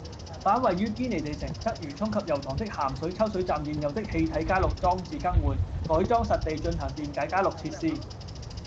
把位於堅尼地城、鰂魚涌及油塘的鹹水抽水站現有的氣體加氯裝置更換，改裝實地進行電解加氯設施